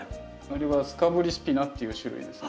あれはスカブリスピナっていう種類です。